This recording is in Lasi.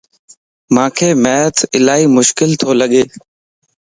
مانک Math الائي مشڪل تو لڳ